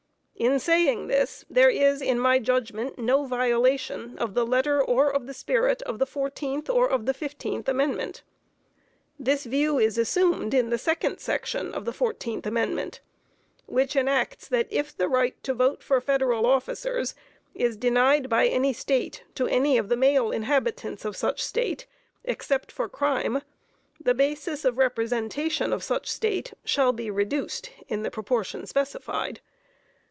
In saying this, there is, in my judgment, no violation of the letter or of the spirit of the 14th or of the 15th Amendment. This view is assumed in the second section of the 14th Amendment, which enacts that if the right to vote for Federal officers is denied by any state to any of the male inhabitants of such State, except for crime, the basis of representation of such State shall be reduced in proportion specified.